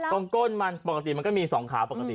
ตรงกล้นมันปกติมันก็มีสองขาปกติ